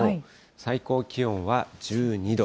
最高気温は１２度。